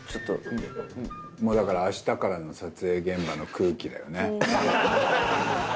だからあしたからの撮影現場の空気だよね。